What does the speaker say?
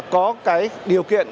có cái điều kiện